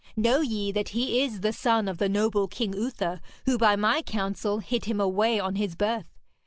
Know ye that he is the son of the noble King Uther, who by my counsel hid him away on his birth.